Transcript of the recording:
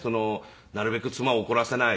なるべく妻を怒らせない。